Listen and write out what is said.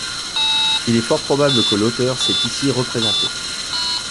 Il est fort probable que l'auteur s'est ici représenté.